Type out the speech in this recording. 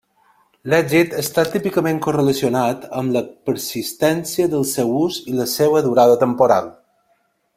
L'èxit està típicament correlacionat amb la persistència del seu ús i la seua durada temporal.